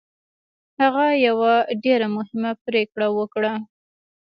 هغه یوه ډېره مهمه پرېکړه وکړه